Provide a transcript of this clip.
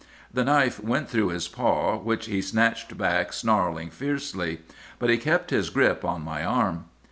The knife went through his paw, which he snatched back, snarling fiercely. But he kept his grip on my arm.